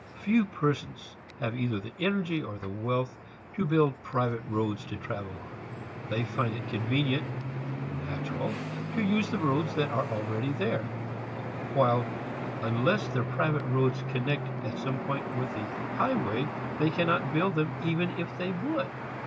Few persons have either the energy or the wealth to build private roads to travel upon. They find it convenient, "natural," to use the roads that are already there; while unless their private roads connect at some point with the high way they cannot build them even if they would.